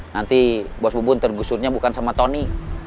nanti bos bubun tergusurnya bukan sama tony